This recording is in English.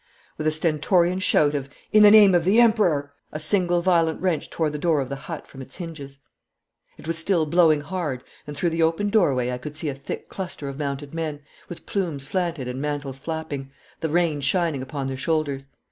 With a stentorian shout of 'In the name of the Emperor!' a single violent wrench tore the door of the hut from its hinges. It was still blowing hard, and through the open doorway I could see a thick cluster of mounted men, with plumes slanted and mantles flapping, the rain shining upon their shoulders.